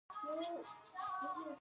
کتاب څنګه غوره ملګری کیدی شي؟